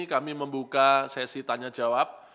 kami membuka sesi tanya jawab